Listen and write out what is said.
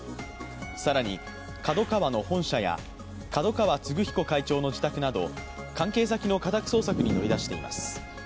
更に、ＫＡＤＯＫＡＷＡの本社や、角川歴彦会長の自宅など、関係先の家宅捜索に乗り出しています。